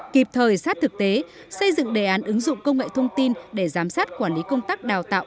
kịp thời sát thực tế xây dựng đề án ứng dụng công nghệ thông tin để giám sát quản lý công tác đào tạo